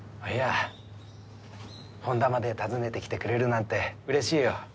いや本田まで訪ねてきてくれるなんて嬉しいよ。